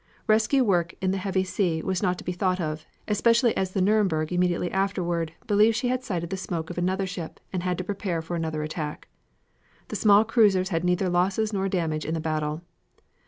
Rescue work in the heavy sea was not to be thought of, especially as the Nuremburg immediately afterward believed she had sighted the smoke of another ship and had to prepare for another attack. The small cruisers had neither losses nor damage in the battle.